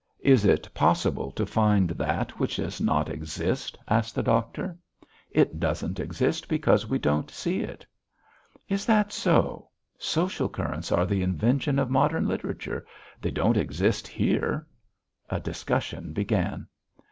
"Is it possible to find that which does not exist?" asked the doctor. "It doesn't exist because we don't see it." "Is that so? Social currents are the invention of modern literature. They don't exist here." A discussion began.